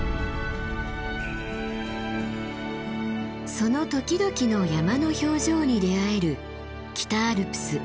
その時々の山の表情に出会える北アルプス常念岳です。